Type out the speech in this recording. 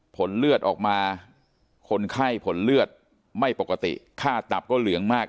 ผลเลือดออกมาคนไข้ผลเลือดไม่ปกติค่าตับก็เหลืองมาก